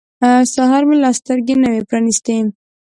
سهار مې لا سترګې نه وې پرانیستې.